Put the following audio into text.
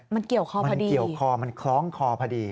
มันเกี่ยวคอพอดีมันเคล้องคอพอดี